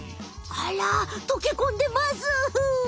あらとけこんでます。